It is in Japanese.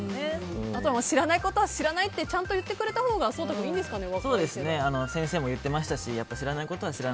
あとは知らないことは知らないってちゃんと言ってくれたほうが颯太君、いいんですかね